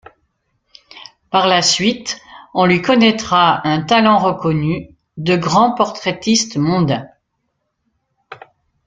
Par la suite on lui connaîtra un talent reconnu de grand portraitiste mondain.